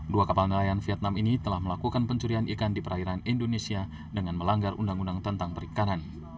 dua kapal nelayan vietnam ini telah melakukan pencurian ikan di perairan indonesia dengan melanggar undang undang tentang perikanan